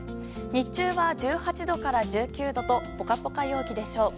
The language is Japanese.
日中は１８度から１９度とポカポカ陽気でしょう。